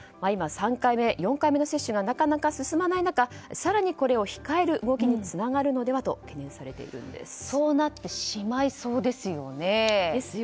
３回目、４回目の接種がなかなか進まない中更にこれを控える動きにつながるのではとそうなってしまいそうですよね。